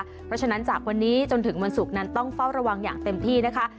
เพราะฉะนั้นจากวันนี้จนถึงวันศุกร์นั้นต้องเฝ้าระวังอย่างเต็มที่นะคะ